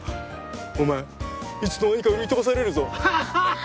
お前いつの間にか売り飛ばされるぞハハハ！